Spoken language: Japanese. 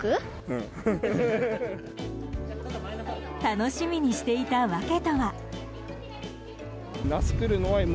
楽しみにしていた訳とは。